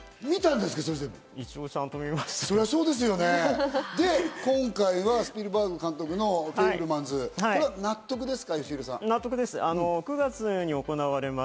で、今回はスピルバーグ監督の『フェイブルマンズ』、納得ですか？